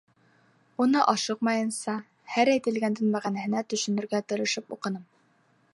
Уны ашыҡмайынса, һәр әйтелгәндең мәғәнәһенә төшөнөргә тырышып уҡыным.